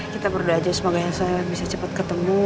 kita berdua aja semoga elsa bisa cepat ketemu